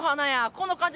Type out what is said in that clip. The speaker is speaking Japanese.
この感じ